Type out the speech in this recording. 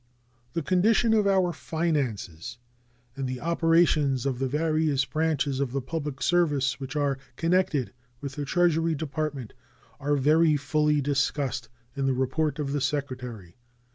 The condition of our finances and the operations of the various branches of the public service which are connected with the Treasury Department are very fully discussed in the report of the Secretary.